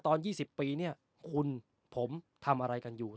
ตอน๒๐ปีเนี่ยคุณผมทำอะไรกันอยู่